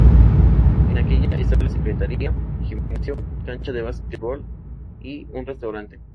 En aquella, está la secretaría, gimnasio, cancha de basketball y un restaurante.